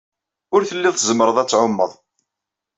Ur tellid tzemred ad tɛumed.